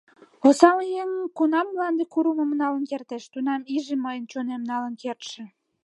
Осал еҥ кунам Мланде курымым налын кертеш, тунам иже мыйын чонем налын кертше.